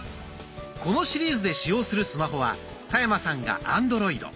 このシリーズで使用するスマホは田山さんがアンドロイド。